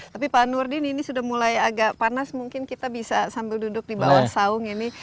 tapi pak nurdin ini sudah mulai agak panas mungkin kita bisa sambil duduk di bawah saung ini